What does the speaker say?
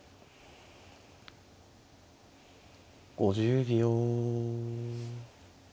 ５０秒。